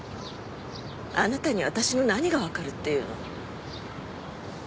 あなたに私の何がわかるっていうの？